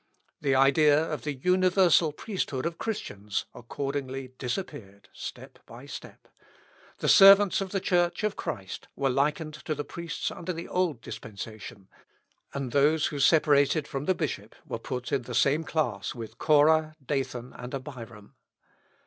The idea of the universal priesthood of Christians accordingly disappeared step by step; the servants of the Church of Christ were likened to the priests under the Old Dispensation; and those who separated from the bishop were put in the same class with Korah, Dathan, and Abiram.